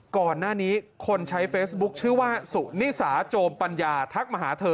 ก่อนหน้านี้คนใช้เฟซบุ๊คชื่อว่าสุนิสาโจมปัญญาทักมาหาเธอ